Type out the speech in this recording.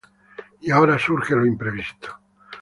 Y ahora surge lo imprevisto.